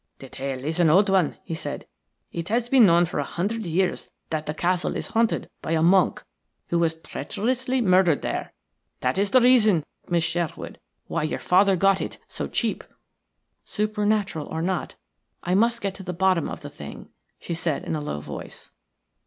"The tale is an old one," he said. "It has been known for a hundred years that the castle is haunted by a monk who was treacherously murdered there. That is the reason, Miss Sherwood, why your father got it so cheap." "Supernatural or not, I must get to the bottom of the thing," she said, in a low voice.